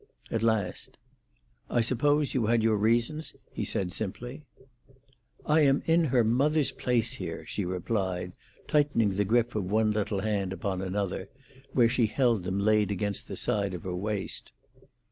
At last, "I suppose you had your reasons," he said simply. "I am in her mother's place here," she replied, tightening the grip of one little hand upon another, where she held them laid against the side of her waist.